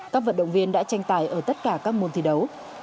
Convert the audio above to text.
các vận động viên đã tranh tài ở tất cả các môn thi đấu